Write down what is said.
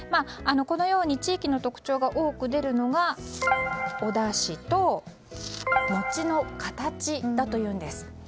このように地域の特徴が多く出るのが、おだしと餅の形だというんです。